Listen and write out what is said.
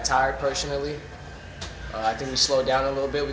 saya pikir kita akan menurunkan sedikit